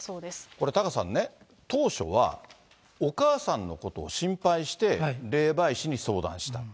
これタカさんね、当初は、お母さんのことを心配して、霊媒師に相談したと。